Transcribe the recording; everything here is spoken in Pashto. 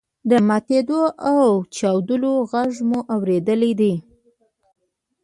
د ماتیدو او چاودلو غږ مو اوریدلی دی.